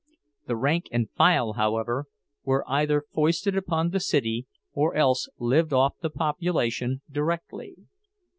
The rank and file, however, were either foisted upon the city, or else lived off the population directly.